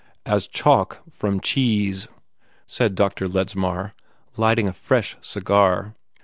"As chalk from cheese!" said Dr. Ledsmar, lighting a fresh cigar.